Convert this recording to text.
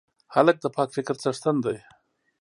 هلک د پاک فکر څښتن دی.